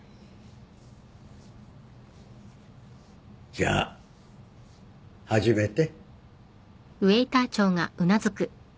じゃあ始めて。